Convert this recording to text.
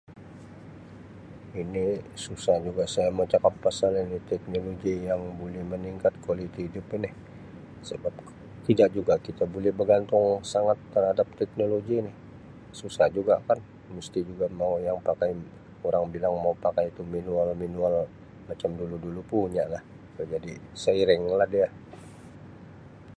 Ini susah juga saya mau cakap ini pasal teknologi yang buli meningkatkan kualiti hidup ini sebab tidak juga kita buli bagantung sangat terhadap teknologi ini susah juga kan mesti yang mau orang bilang yang mau pakai tu manual-manual macam dulu-dulu punyah jadi seiringlah dia.